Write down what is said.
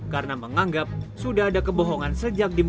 karena menganggap sudah ada kebohongan sejak dibuka